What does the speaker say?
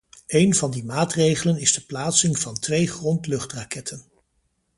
Een van die maatregelen is de plaatsing van twee grond-luchtraketten.